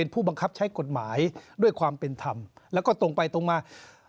ผู้บังคับใช้กฎหมายด้วยความเป็นธรรมแล้วก็ตรงไปตรงมา